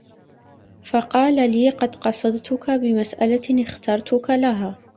فَقَالَ لِي قَدْ قَصَدْتُك بِمَسْأَلَةٍ اخْتَرْتُك لَهَا